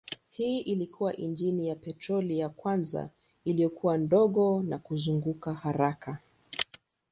Hii ilikuwa injini ya petroli ya kwanza iliyokuwa ndogo na kuzunguka haraka.